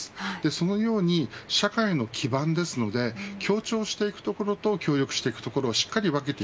そのように社会の基盤ですので協調していくところと協力していくところをしっかり分ける